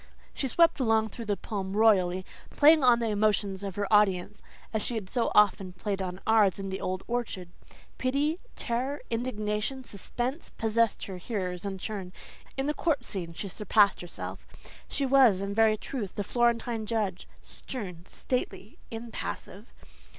She swept along through the poem royally, playing on the emotions of her audience as she had so often played on ours in the old orchard. Pity, terror, indignation, suspense, possessed her hearers in turn. In the court scene she surpassed herself. She was, in very truth, the Florentine judge, stern, stately, impassive.